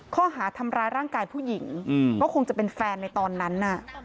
ข้อหาทำร้ายร่างกายผู้หญิงก็คงจะเป็นแฟนในตอนนั้นน่ะ